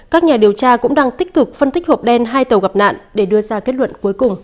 các nhà điều tra cũng đang tích cực phân tích hộp đen hai tàu gặp nạn để đưa ra kết luận cuối cùng